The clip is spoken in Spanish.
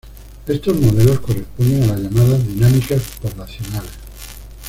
Estos modelos corresponden a las llamadas Dinámicas poblacionales.